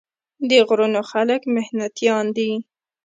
د غرونو خلک محنتيان دي ـ